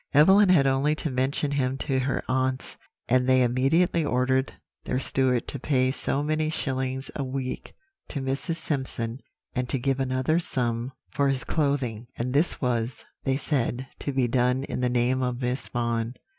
"Evelyn had only to mention him to her aunts, and they immediately ordered their steward to pay so many shillings a week to Mrs. Simpson, and to give another sum for his clothing; and this was, they said, to be done in the name of Miss Vaughan.